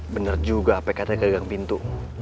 bener juga pek katanya kegang pintu